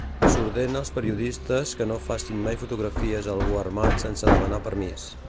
S'ordena als periodistes que no facin mai fotografies a algú armat sense demanar permís.